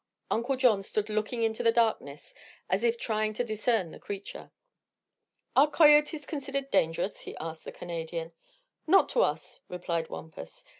Uncle John stood looking into the darkness as if trying to discern the creature. "Are coyotes considered dangerous?" he asked the Canadian. "Not to us," replied Wampus.